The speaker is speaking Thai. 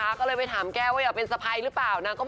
อะไรขนาดนั้นอะ